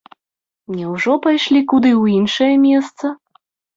Няўжо пайшлі куды ў іншае месца?